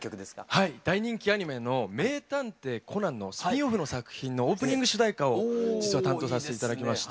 はい大人気アニメの「名探偵コナン」の作品のオープニング主題歌を実は担当させて頂きまして。